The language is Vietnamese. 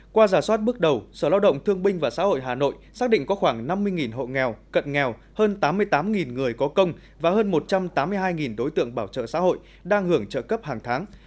qua giả soát bước đầu sở lao động thương binh và xã hội hà nội xác định có khoảng năm mươi hộ nghèo cận nghèo hơn tám mươi tám người có công và hơn một trăm tám mươi hai đối tượng bảo trợ xã hội đang hưởng trợ cấp hàng tháng